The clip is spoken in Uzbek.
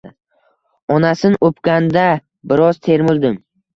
Onasin upganda biroz termuldim